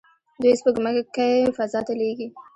دوی سپوږمکۍ فضا ته لیږي.